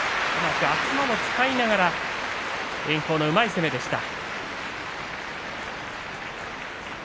頭を使いながら炎鵬のうまい攻めでした。